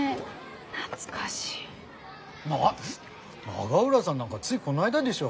永浦さんなんかついこないだでしょ。